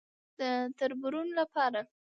_د تربرونو له پاره.